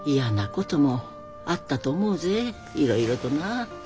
いろいろとな。